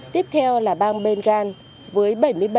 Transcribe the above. tiếp theo là bang bengal với bảy mươi bảy năm mươi bảy